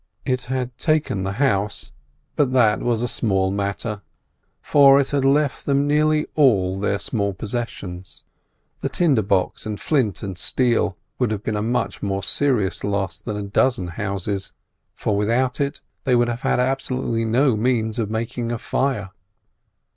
It had taken the house—but that was a small matter, for it had left them nearly all their small possessions. The tinder box and flint and steel would have been a much more serious loss than a dozen houses, for, without it, they would have had absolutely no means of making a fire.